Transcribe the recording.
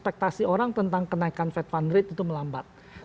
ekspektasi orang tentang kenaikan fed fund rate itu melambat